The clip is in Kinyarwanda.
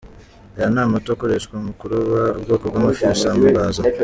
Aya ni amato akoreshwa mu kuroba ubwoko bw’amafi bw’isambaza.